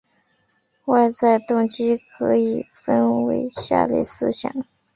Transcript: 外在动机可以分成下列四项